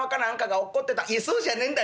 「いやそうじゃねえんだ。